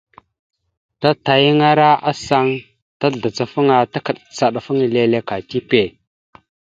Tatayaŋara asaŋ tazlacafaŋa takəcaɗafaŋa leele ka tipe.